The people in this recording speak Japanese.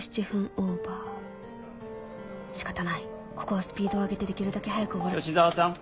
オーバー仕方ないここはスピードを上げてできるだけ早く吉沢さん。